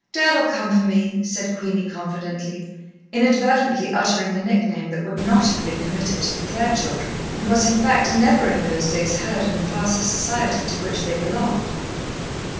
"Dad'll come for me," said Queenie confidently, inadvertently uttering a nickname that would not have been permitted to the Clare children, and was, in fact, never in those days heard in the class of society to which they belonged.